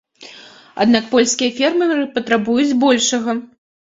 Аднак польскія фермеры патрабуюць большага.